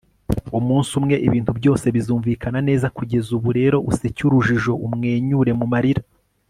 umunsi umwe ibintu byose bizumvikana neza. kugeza ubu rero useke urujijo, umwenyure mu marira